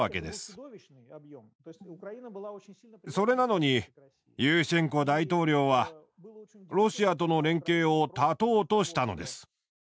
それなのにユーシェンコ大統領はロシアとの連携を断とうとしたのです。